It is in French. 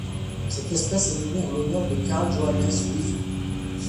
Cette espèce est nommée en l'honneur de Carl Johannes With.